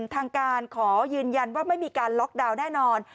ทางการขอยืนยันว่าไม่มีการล็อกดาวน์แน่นอน